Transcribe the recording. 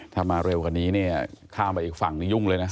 ถ้ามาเร็วกว่านี้เนี่ยข้ามไปอีกฝั่งนี้ยุ่งเลยนะ